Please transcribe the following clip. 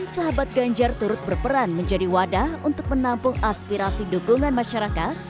sahabat ganjar turut berperan menjadi wadah untuk menampung aspirasi dukungan masyarakat